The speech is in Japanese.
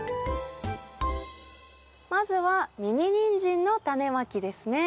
まずはミニニンジンのタネまきですね。